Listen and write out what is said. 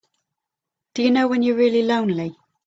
Do you know when you're really lonely?